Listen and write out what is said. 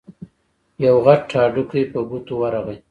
يو غټ هډوکی په ګوتو ورغی.